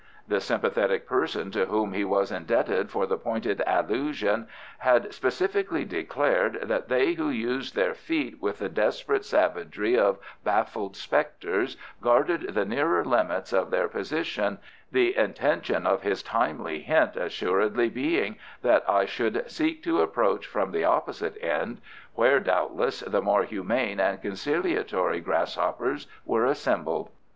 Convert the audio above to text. The sympathetic person to whom he was indebted for the pointed allusion had specifically declared that they who used their feet with the desperate savagery of baffled spectres guarded the nearer limits of their position, the intention of his timely hint assuredly being that I should seek to approach from the opposite end, where, doubtless, the more humane and conciliatory grass hoppers were assembled.